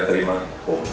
dari intelijen saya